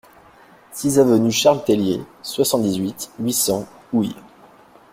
six avenue Charles Tellier, soixante-dix-huit, huit cents, Houilles